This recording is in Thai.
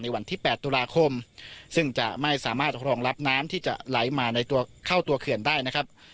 วันที่๘ตุลาคมซึ่งจะไม่สามารถรองรับน้ำที่จะไหลมาในตัวเข้าตัวเขื่อนได้นะครับ